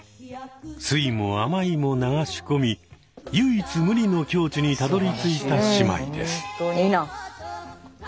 酸いも甘いも流し込み唯一無二の境地にたどりついた姉妹です。